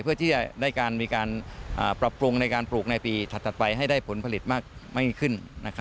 เพื่อที่จะได้มีการปรับปรุงในการปลูกในปีถัดไปให้ได้ผลผลิตมากไม่ขึ้น